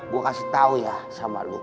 gue kasih tau ya sama lo